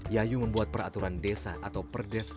yayu membuat peraturan desa atau perdes